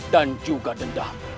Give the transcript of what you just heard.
dannya juga dendam